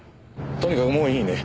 とにかくもういいね？